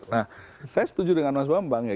nah saya setuju dengan mas bambang ya